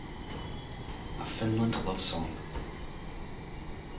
A FINLAND LOVE SONG.